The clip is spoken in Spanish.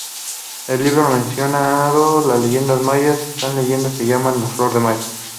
En el libro mencionado, "Leyendas Mayas", esta leyenda se llama "La Flor de Mayo".